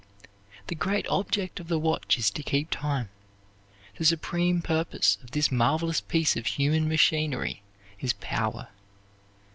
The great object of the watch is to keep time. The supreme purpose of this marvelous piece of human machinery is power.